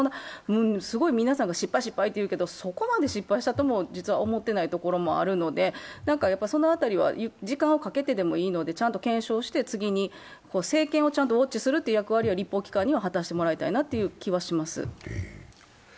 すごい皆さんが失敗っていうけど、そこまで失敗したと思っていないところがあるのでその辺りは時間をかけてでもいいので、ちゃんと検証して次に、政権をちゃんとウォッチするという役割は立法機関には果たしてほしいという気はします。